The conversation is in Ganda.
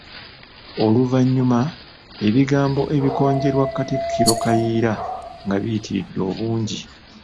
Oluvannyuma, ebigambo ebikonjerwa Katikkiro Kayiira nga biyitiridde obungi.